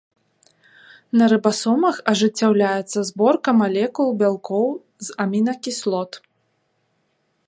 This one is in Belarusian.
На рыбасомах ажыццяўляецца зборка малекул бялкоў з амінакіслот.